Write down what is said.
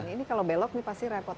ini kalau belok ini pasti repot